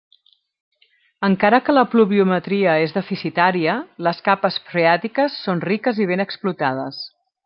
Encara que la pluviometria és deficitària les capes freàtiques són riques i ben explotades.